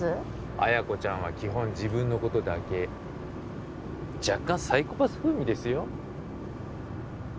彩子ちゃんは基本自分のことだけ若干サイコパス風味ですよ